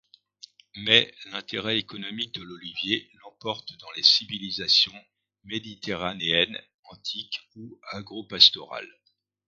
Mais l'intérêt économique de l'olivier l'emporte dans les civilisations méditerranéennes antiques ou agro-pastorales.